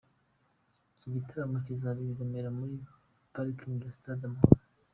Iki gitaramo kizabera i Remera muri parikingi ya sitade Amahoro.